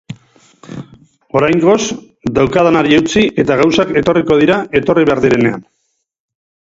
Oraingoz daukadanari eutsi, eta gauzak etorriko dira etorri behar direnean.